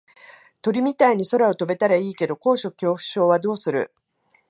鳥みたいに空を飛べたらいいけど高所恐怖症はどうする？